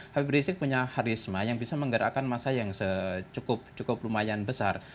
habib rizik punya harisma yang bisa menggerakkan masa yang cukup lumayan besar